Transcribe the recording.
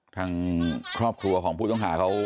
ทางครอบครัวของผู้ต้องหาเขา